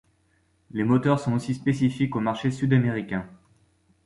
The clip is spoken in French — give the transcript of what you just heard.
Les moteurs sont aussi spécifiques au marché sud-américain.